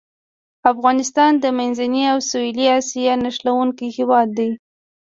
افغانستان د منځنۍ او سویلي اسیا نښلوونکی هېواد دی.